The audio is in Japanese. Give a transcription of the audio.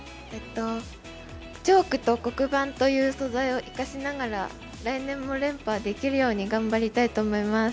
チョークと黒板という素材を生かしながら来年も連覇できるように頑張りたいと思います。